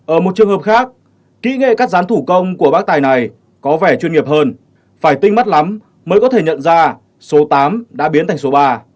ở một trường hợp khác kỹ nghệ cắt rán thủ công của bác tài này có vẻ chuyên nghiệp hơn phải tinh mắt lắm mới có thể nhận ra số tám đã biến thành số ba